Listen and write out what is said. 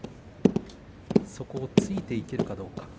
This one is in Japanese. そこをついていけるかどうか。